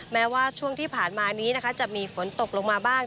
แม้ว่าช่วงที่ผ่านมานี้นะคะจะมีฝนตกลงมาบ้าง